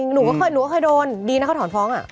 หนูก็เคยโดนดีนะเขาถอนฟ้อง